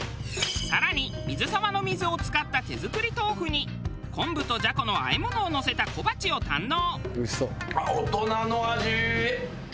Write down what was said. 更に水沢の水を使った手作り豆腐に昆布とじゃこの和え物をのせた小鉢を堪能。